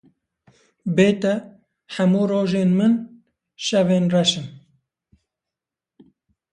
Bê te, hemû rojên min şevên reşin.